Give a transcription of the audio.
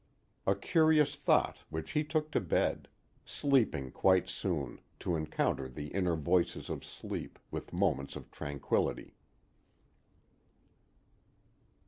_ A curious thought which he took to bed; sleeping quite soon, to encounter the inner voices of sleep, with moments of tranquillity.